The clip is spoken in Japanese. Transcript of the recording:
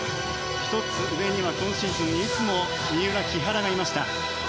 １つ上には今シーズンいつも三浦、木原がいました。